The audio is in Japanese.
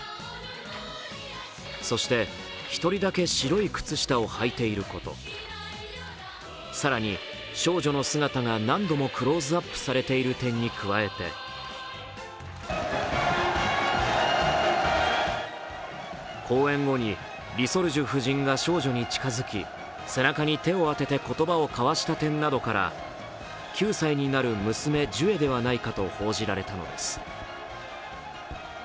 そして、１人だけ白い靴下を履いていること、更に、少女の姿が何度もクローズアップされている点に加えて、公演後にリ・ソルジュ夫人が少女に近づき背中に手を当てて、言葉を交わした点などから９歳になる娘・ジュエではないかと報じられたのです。